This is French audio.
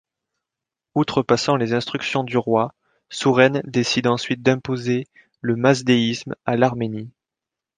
Outrepassant les instructions du roi, Souren décide ensuite d'imposer le mazdéisme à l'Arménie.